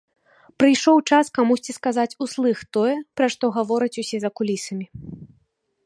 Прыйшоў час камусьці сказаць услых тое, пра што гавораць усе за кулісамі.